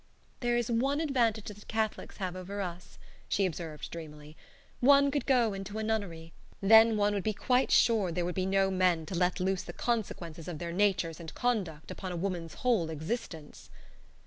"This is one advantage that Catholics have over us," she observed, dreamily: "one could go into a nunnery; then one would be quite sure there would be no men to let loose the consequences of their natures and conduct upon a woman's whole existence."